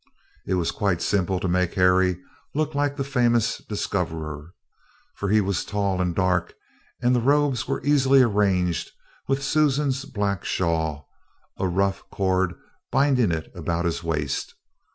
It was quite simple to make Harry look like the famous discoverer, for he was tall and dark, and the robes were easily arranged with Susan's black shawl, a rough cord binding it about his waist.